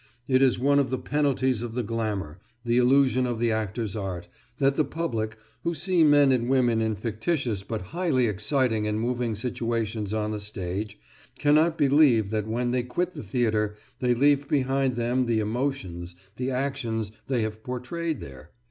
It is one of the penalties of the glamour, the illusion of the actor's art, that the public who see men and women in fictitious but highly exciting and moving situations on the stage, cannot believe that when they quit the theatre, they leave behind them the emotions, the actions they have portrayed there.